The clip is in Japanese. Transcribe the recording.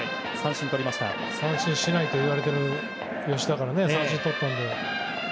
三振しないといわれている吉田だから、三振をとったので。